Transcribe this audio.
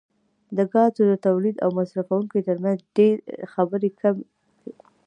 د ګازو د تولیدونکو او مصرفونکو ترمنځ خبرې کیږي